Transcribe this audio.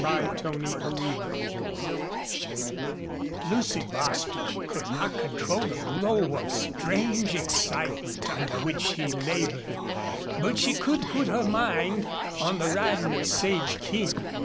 CHAPTER IX Lucy Bostil could not control the glow of strange excitement under which she labored, but she could put her mind on the riding of Sage King.